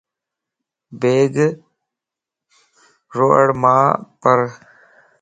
بيگ رَواڙماپار